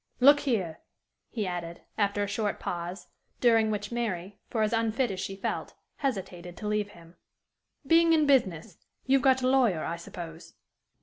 Look here," he added, after a short pause, during which Mary, for as unfit as she felt, hesitated to leave him, " being in business, you've got a lawyer, I suppose?"